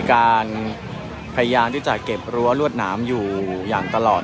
การประตูกรมทหารที่สิบเอ็ดเป็นภาพสดขนาดนี้นะครับ